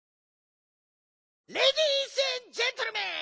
レディースエンドジェントルメン！